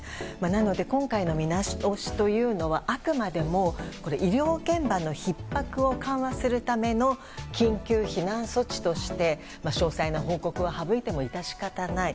なので、今回の見直しというのはあくまでも医療現場のひっ迫を緩和するための緊急避難措置として詳細な報告は省いても致し方ない。